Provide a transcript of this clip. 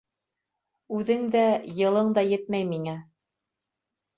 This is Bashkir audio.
Үҙең дә, йылың да етмәй миңә.